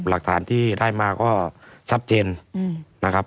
หลักฐานที่ได้มาก็ชัดเจนนะครับ